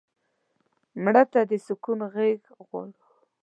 مړه ته د سکون غېږ غواړو